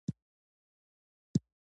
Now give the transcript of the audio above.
باید ومنو چې نظام نه سیاست دی او نه ګوند دی.